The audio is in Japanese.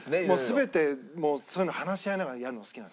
全てそういうのを話し合いながらやるのが好きなんですよ。